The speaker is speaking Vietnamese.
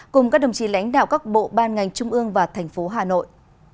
cùng các đồng chí lãnh đạo các bộ ban ngành trung ương và thành phố hà nội